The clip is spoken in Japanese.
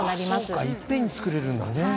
そうかいっぺんに作れるんだね。